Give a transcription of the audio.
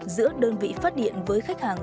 giữa đơn vị phát điện với khách hàng